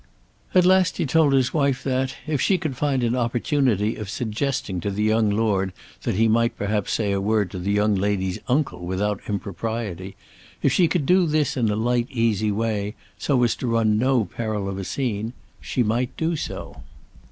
At last he told his wife that, if she could find an opportunity of suggesting to the young Lord that he might perhaps say a word to the young lady's uncle without impropriety, if she could do this in a light easy way, so as to run no peril of a scene, she might do so.